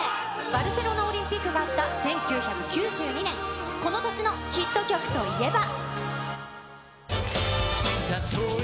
バルセロナオリンピックがあった１９９２年、この年のヒット曲といえば。